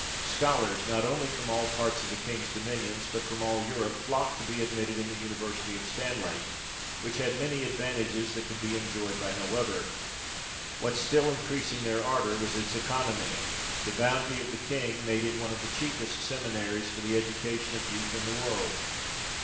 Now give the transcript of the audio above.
Scholars, not only from all parts of the King's dominions, but from all Europe, flocked to be admitted in the university of Stanley, which had many advantages, that could be enjoyed by no other. What still increased their ardour was its ceconomy : the bounty of the King made it one of the cheapest seminaries for the education of youth, in the world.